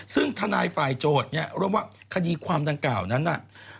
ซึ่งทนายฝ่ายโจทย์เนี่ยร่วมว่าคดีความดังกล่าวนั้นน่ะ